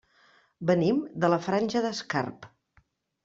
Venim de la Granja d'Escarp.